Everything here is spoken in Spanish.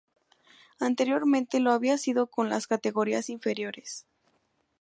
Anteriormente lo había sido con las categorías inferiores.